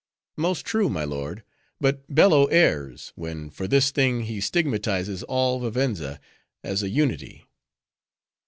"Most true, my lord. But Bello errs, when for this thing, he stigmatizes all Vivenza, as a unity."